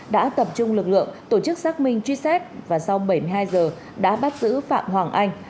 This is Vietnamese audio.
đã tập trung lực lượng tổ chức xác minh truy xét và sau bảy mươi hai giờ đã bắt giữ phạm hoàng anh